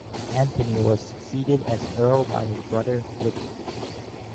Anthony was succeeded as earl by his brother, Richard.